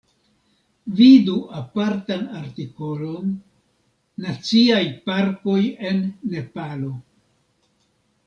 Vidu apartan artikolon "Naciaj parkoj en Nepalo".